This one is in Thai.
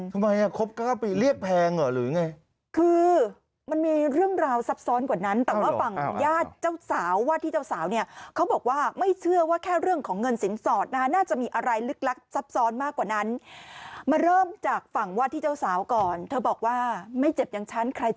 ทำไมครบ๙ปีเรียกแพงเหรอหรือไง